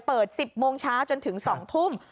เปิด๑๐โมงเช้าจนถึง๒ทุ่ม